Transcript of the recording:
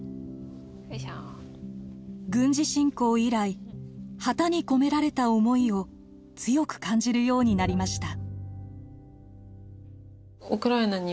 軍事侵攻以来旗に込められた思いを強く感じるようになりました。